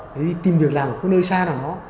đi tìm việc làm ở nơi xa nào đó